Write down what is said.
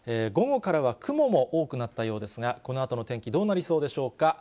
午後からは雲も多くなったようですが、このあとの天気、どうなりそうでしょうか。